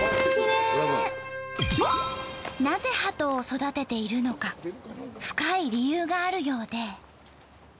なぜハトを育てているのか深い理由があるようで。